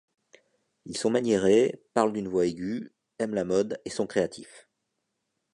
Ils sont maniérés, parlent d’une voix aigüe, aiment la mode et sont créatifs.